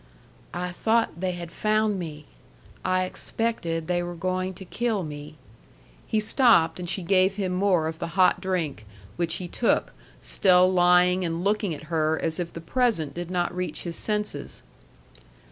"I thought they had found me. I expected they were going to kill me." He stopped, and she gave him more of the hot drink, which he took, still lying and looking at her as if the present did not reach his senses.